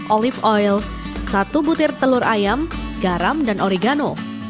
olive oil satu butir telur ayam garam dan oregano